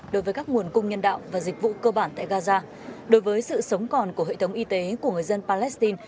đối với các nguồn cung nhân đạo và dịch vụ cơ bản tại gaza đối với sự sống còn của hệ thống y tế của người dân palestine